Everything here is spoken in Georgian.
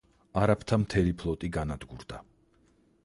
არაბთა მთელი ფლოტი განადგურდა.